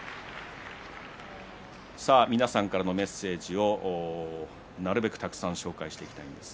皆さんからのメッセージをなるべくたくさんご紹介していきたいです。